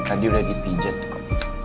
tadi udah dipijet kok